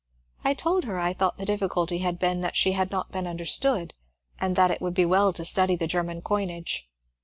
I told her I thought the difficulty had been that she had not been understood and that it would be well to study the Ger man coinage.